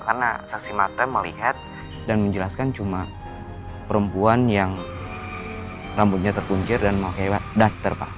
karena saksi mata melihat dan menjelaskan cuma perempuan yang rambutnya terpuncir dan mau kehabis daster pak